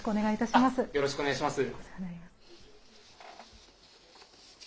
よろしくお願いします。